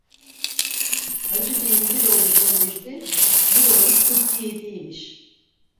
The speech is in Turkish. Hacı Bey'in bir oğlu kolejde, bir oğlu tıbbiyedeymiş.